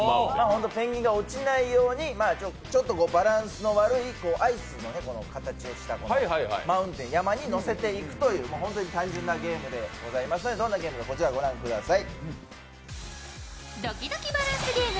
ペンギンが落ちないようにちょっとバランスの悪いアイスの形をしたマウンテン、山にのせていくという、本当に単純なゲームでございますが、どんなゲームかこちらご覧ください。